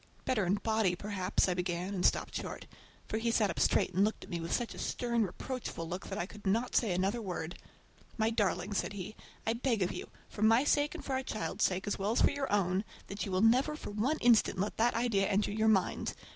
"Better in body perhaps"—I began, and stopped short, for he sat up straight and looked at me with such a stern, reproachful look that I could not say another word. "My darling," said he, "I beg of you, for my sake and for our child's sake, as well as for your own, that you will never for one instant let that idea enter your mind!